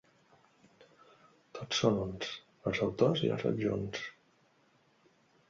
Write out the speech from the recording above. Tots són uns, els autors i els adjunts.